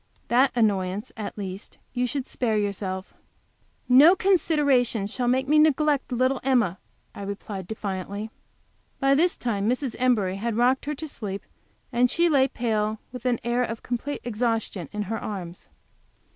That annoyance, at least, you should spare yourself." "No consideration shall make me neglect little Emma," I replied, defiantly. By this time Mrs. Embury had rocked her to sleep, and she lay, pale and with an air of complete exhaustion, in her arms.